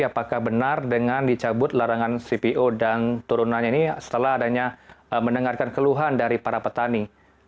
apakah benar dengan dicabut larangan cpo dan turunannya ini setelah adanya mendengarkan keluhan dari para petani